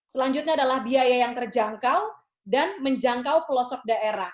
selanjutnya adalah biaya yang terjangkau dan menjangkau pelosok daerah